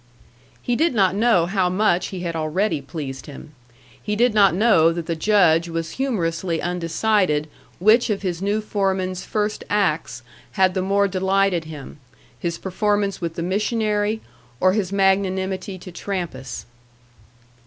He did not know how much he had already pleased him. He did not know that the Judge was humorously undecided which of his new foreman's first acts had the more delighted him: his performance with the missionary, or his magnanimity to Trampas.